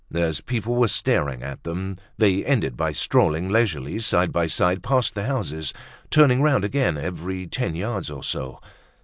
As people were staring at them, they ended by strolling leisurely side by side past the houses, turning round again every ten yards or so.